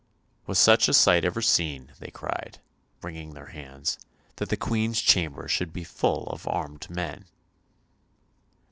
Was such a sight ever seen, they cried, wringing their hands, that the Queen's chamber should be full of armed men?